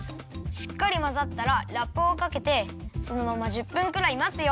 しっかりまざったらラップをかけてそのまま１０分ぐらいまつよ。